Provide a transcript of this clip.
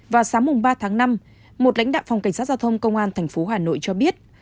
vào sáng ba tháng năm một lãnh đạo phòng cảnh sát giao thông công an tp hà nội cho biết